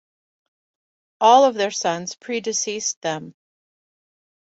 All of their sons predeceased them.